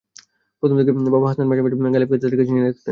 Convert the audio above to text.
প্রথম দিকে বাবা হাসনাত মাঝে মাঝে গালিবকে তাঁদের কাছে নিয়ে রাখতেন।